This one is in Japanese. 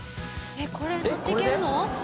これ、乗って行けるの？